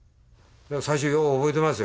最初よう覚えてますよ。